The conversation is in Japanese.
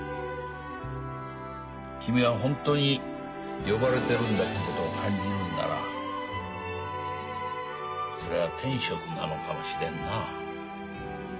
きみは本当に呼ばれてるんだってことを感じるんならそれは天職なのかもしれんなあ。